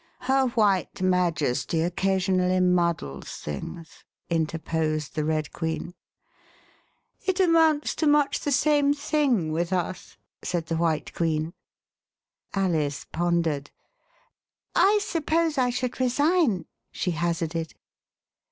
Her White Majesty occa sionally muddles things," interposed the Red Queen. Alice Anywhere but in Downing Street It amounts to much the same thing with us," said the White Queen. Alice pondered. I suppose I should resign, " she hazarded.